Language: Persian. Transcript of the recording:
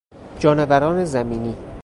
جانوران زمینی